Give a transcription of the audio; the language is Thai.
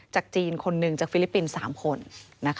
จากจีน๑คนจากฟิลิปปินส์๓คน